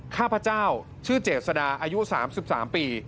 ข้าพเจ้าชื่อเจษดาอายุ๓๓ปี